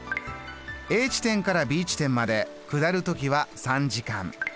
Ａ地点からＢ地点まで下る時は３時間。